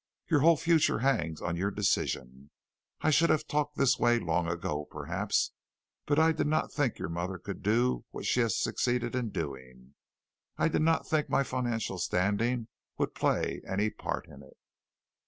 Your whole future hangs on your decision. I should have talked this way long ago, perhaps, but I did not think your mother could do what she has succeeded in doing. I did not think my financial standing would play any part in it.